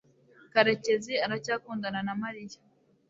karekezi aracyakundana na mariya